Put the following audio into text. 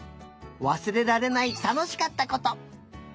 わすれられないたのしかったこと。